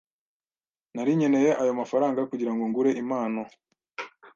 Nari nkeneye ayo mafaranga kugirango ngure impano .